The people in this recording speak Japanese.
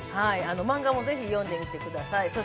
マンガもぜひ読んでみてください。